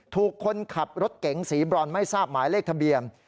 ถูกคนขับรถเก๋งสีบรอนไม่ทราบหมายเลขทะเบียน